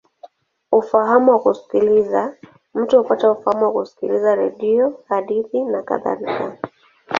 Ufahamu wa kusikiliza: mtu hupata ufahamu kwa kusikiliza redio, hadithi, nakadhalika.